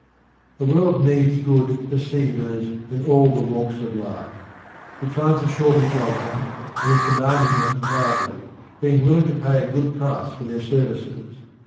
The world needs good "perceivers" in all the walks of life. It finds a shortage of them, and is demanding them loudly, being willing to pay a good price for their services.